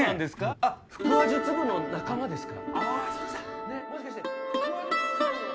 あっ腹話術部の仲間ですか？